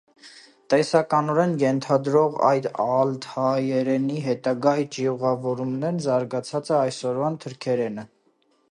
Տեսականօրէն ենթադրուող այդ ալթայերէնի հետագայ ճիւղաւորումներէն զարգացած է այսօրուան թրքերէնը։